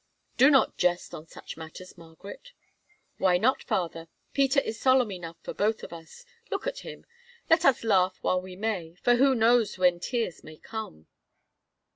"Do not jest on such matters, Margaret." "Why not, father? Peter is solemn enough for both of us—look at him. Let us laugh while we may, for who knows when tears may come?"